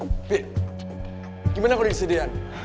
b gimana kok udah disediakan